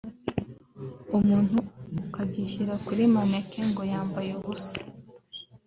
umuntu ukagishyira kuri manequin ngo yambaye ubusa